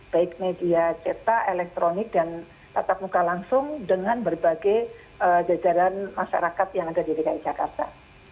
baik media cetak elektronik dan tatap muka langsung dengan berbagai jajaran masyarakat yang ada di dki jakarta